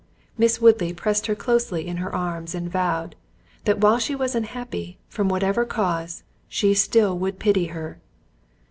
Miss Woodley pressed her closely in her arms, and vowed, "That while she was unhappy, from whatever cause, she still would pity her."